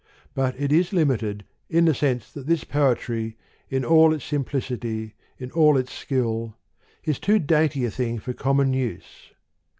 But it is limited, in the sense that this poetry in all its simplicity, in all its skill, is too dainty a thing for common use.